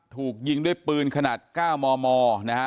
ถูกยิงด้วยปืนขนาด๙มมนะฮะ